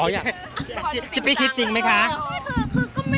เขาอาจจะรู้สึกอย่างมันน่ะก็ได้